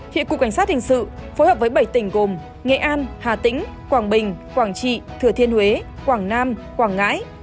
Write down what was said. hiện cục cảnh sát hình sự phối hợp với bảy tỉnh gồm nghệ an hà tĩnh quảng bình quảng trị thừa thiên huế quảng nam quảng ngãi